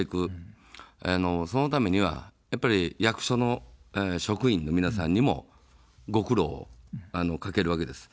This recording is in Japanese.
そのためにはやっぱり役所の職員の皆さんにもご苦労をかけるわけです。